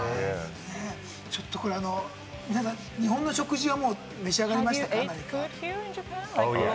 ちょっとこれ、日本の食事は皆さん、召し上がりました？